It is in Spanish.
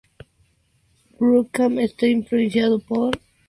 Burckhardt está influenciado por Schopenhauer, cuyo pesimismo retoma.